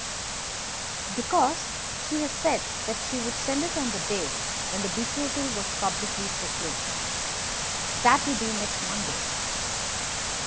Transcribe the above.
"Because she has said that she would send it on the day when the betrothal was publicly proclaimed. That will be next Monday."